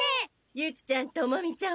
ユキちゃんトモミちゃん